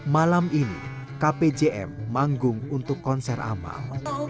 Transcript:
malam ini kpjm manggung untuk konser amal